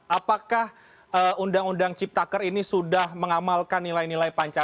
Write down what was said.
apakah undang undang ciptaker ini sudah mengamalkan nilai nilai pancasila